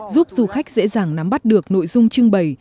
giúp du khách dễ dàng nắm bắt được nội dung trưng bày